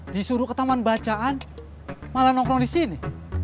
disuruh ke taman bacaan malah nongkrong disini